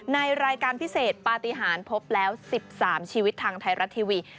ในรายการพิเศษปฏิหารพบแล้ว๑๓ชีวิตทางไทยรัฐทีวี